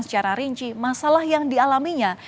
secara rinci masalah yang dialaminya